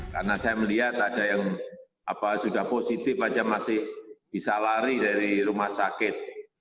karena saya melihat ada yang sudah positif saja masih bisa lari dari rumah sakit